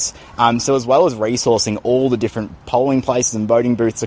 jadi selain mengasurkan semua tempat polling dan tempat pilihan penduduk di seluruh kota dan kawasan regional